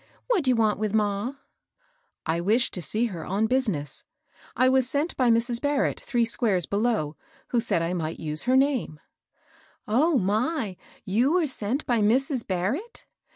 What d'you want with ma ?"I wish to see her on business. I was sent by Mrs. Barrett, three squares below, who said I might use her tiame«" "Oh, myl you were sent by Mrs. Barrett?"